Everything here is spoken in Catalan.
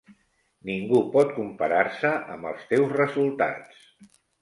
Ningú pot comparar-se amb els teus resultats.